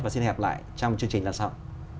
và xin hẹp lại trong chương trình lần sau